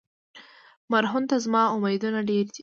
مرهون ته زما امیدونه ډېر دي.